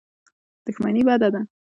دښمني بده ده.